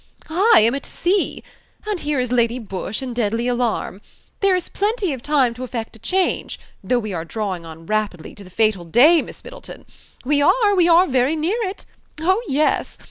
I am at sea. And here is Lady Busshe in deadly alarm. There is plenty of time to effect a change though we are drawing on rapidly to the fatal day, Miss Middleton. We are, we are very near it. Oh! yes.